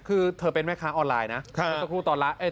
คือเธอเป็นแม่ค้าออนไลน์นะค่ะซักครู่ตอนละเอ่ย